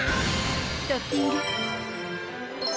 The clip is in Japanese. トッピング！